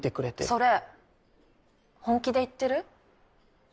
それ本気で言ってる？